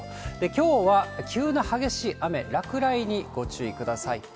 きょうは急な激しい雨、落雷にご注意ください。